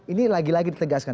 ini lagi lagi ditegaskan